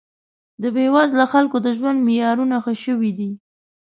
د بې وزله خلکو د ژوند معیارونه ښه شوي دي